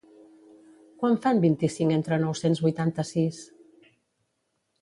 Quant fan vint-i-cinc entre nou-cents vuitanta-sis?